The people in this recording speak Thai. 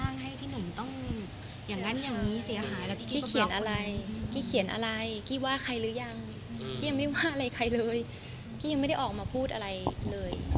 อะไรใครเลยกี้ยังไม่ได้ออกมาพูดอะไรเลย